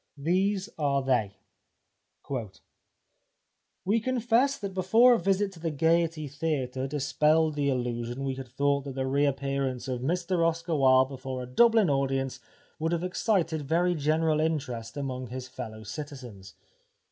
These are they :—" We confess that before a visit to the Gaiety Theatre dispelled the illusion we had thought that the re appearance of Mr Oscar Wilde before a Dublin audience would have excited very general interest among his fellow citizens.